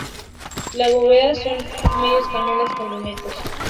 Las bóvedas son medios cañones con lunetos.